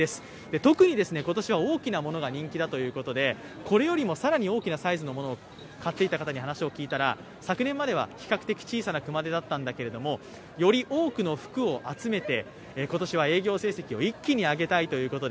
特に今年は大きなものが人気だということで、これよりも更に大きなサイズのものを買っていった方に話を聞いたら昨年までは比較的小さな熊手だったんだけれども、より多くの福を集めて、今年は営業成績を一気に上げたいということで、